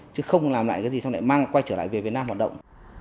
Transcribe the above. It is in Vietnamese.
chứ không làm lại cái gì xong lại mang quay trở lại về việt nam hoạt động